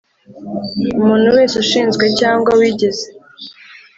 umuntu wese ushinzwe cyangwa wigeze